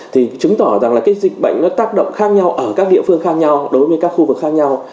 thì chứng tỏ rằng là cái dịch bệnh nó tác động khác nhau ở các địa phương khác nhau đối với các khu vực khác nhau